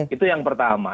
itu yang pertama